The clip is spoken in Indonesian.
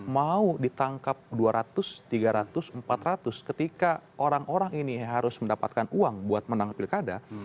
mau ditangkap dua ratus tiga ratus empat ratus ketika orang orang ini harus mendapatkan uang buat menang pilkada